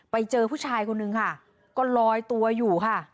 ไปเจอผู้ชายคนนึงค่ะก็ลอยตัวอยู่ค่ะ